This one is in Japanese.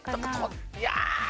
いや。